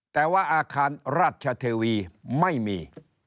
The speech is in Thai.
แต่ว่าอาคารราชเทวีไม่มี